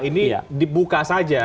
ini dibuka saja